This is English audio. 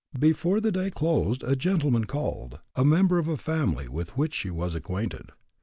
Before the day closed a gentleman called, a member of a family with which she was acquainted.